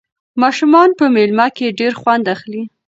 ماشومان په مېله کې ډېر خوند اخلي.